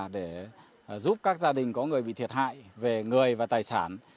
để giúp các gia đình có người bị thiệt hại về người và tài sản